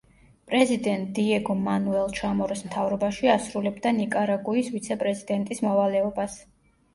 პრეზიდენტ დიეგო მანუელ ჩამოროს მთავრობაში ასრულებდა ნიკარაგუის ვიცე-პრეზიდენტის მოვალეობას.